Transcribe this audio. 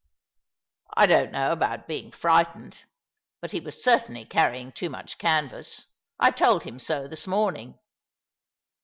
I "I don't know about being frightened, but he was certainly carrying too much canvas. I told him so this morning."